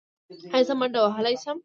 ایا زه منډه وهلی شم؟